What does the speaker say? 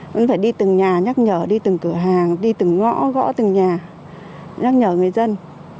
vẫn phải đi từng nhà nhắc nhở đi từng cửa hàng đi từng ngõ gõ từng nhà nhắc nhở người dân